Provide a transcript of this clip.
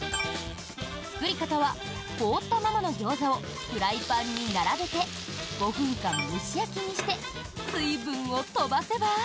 作り方は凍ったままのギョーザをフライパンに並べて５分間蒸し焼きにして水分を飛ばせば。